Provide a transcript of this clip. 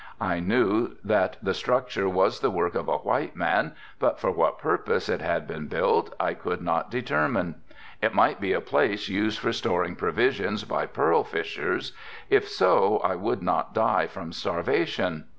I knew that the structure was the work of a white man but for what purpose it had been built I could not determine. It might be a place used for storing provisions by pearl fishers, if so, I would not die from starvation.